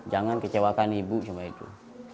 jangan kecewakan ibu cuma itu